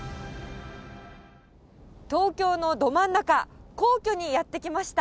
東京のど真ん中、皇居にやって来ました。